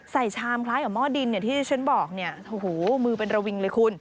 ใส่ชามคล้ายกับมอดดินเนี่ยที่เชิญบอกเนี่ยโอ้โหมือเป็นระวิงเลยคุณ